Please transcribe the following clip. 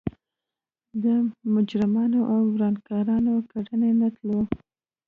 د مجرمانو او ورانکارانو کړنې نه تلو.